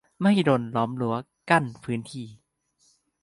- มหิดล ล้อมรั้วกั้นพื้นที่